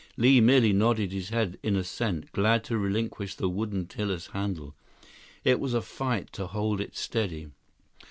Li merely nodded his head in assent, glad to relinquish the wooden tiller handle. It was a fight to hold it steady.